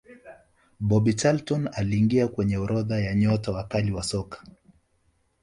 bobby charlton aliingia kwenye orodha ya nyota wakali wa soka